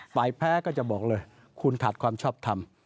แพ้ก็จะบอกเลยคุณขาดความชอบทำ